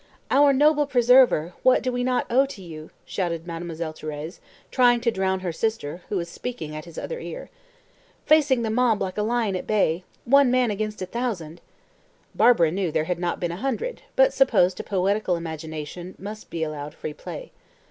"Our noble preserver, what do we not owe to you!" shouted Mademoiselle Thérèse, trying to drown her sister, who was speaking at his other ear. "Facing the mob like a lion at bay one man against a thousand!" Barbara knew there had not been a hundred, but supposed a poetical imagination must be allowed free play.